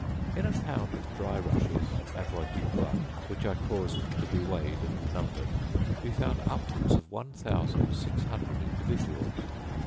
In a pound of dry rushes, avoirdupois, which I caused to be weighed and numbered, we found upwards of one thousand six hundred individuals.